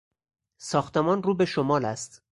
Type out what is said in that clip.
ساختمان رو به شمال است.